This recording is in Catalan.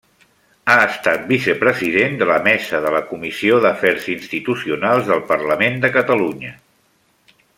Ha estat vicepresident de la Mesa de la Comissió d'Afers Institucionals del Parlament de Catalunya.